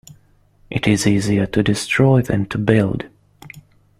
It is easier to destroy than to build.